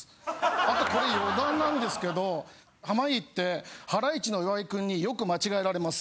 あとこれ余談なんですけど濱家ってハライチの岩井君によく間違えられます。